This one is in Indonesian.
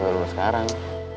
biar lo sekarang